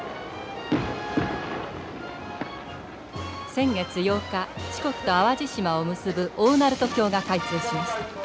先月８日四国と淡路島を結ぶ大鳴門橋が開通しました。